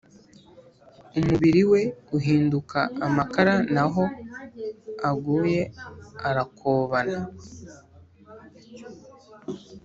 umubili we uhinduka amakara n'aho aguye arakobana